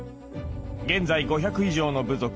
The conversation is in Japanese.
現在５００以上の部族